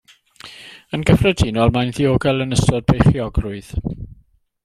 Yn gyffredinol mae'n ddiogel yn ystod beichiogrwydd.